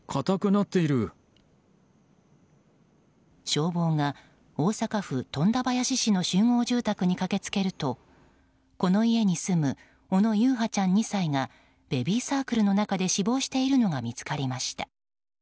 消防が大阪府富田林市の集合住宅に駆けつけるとこの家に住む小野優陽ちゃん、２歳がベビーサークルの中で死亡しているのが見つかりました。